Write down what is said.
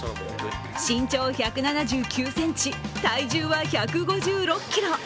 身長１７９ｃｍ、体重は１５６ｋｇ。